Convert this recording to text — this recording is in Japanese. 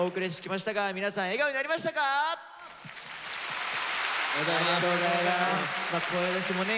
まあ声出しもね